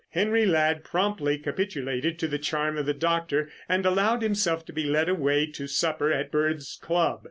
Henry Ladd promptly capitulated to the charm of the doctor and allowed himself to be led away to supper at Bird's club.